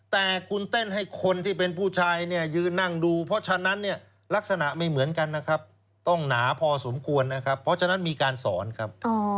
แต่คุณเต้นให้คนที่เป็นผู้ชายยืนนั่งดูเพราะฉะนั้นลักษณะไม่เหมือนกันนะครับ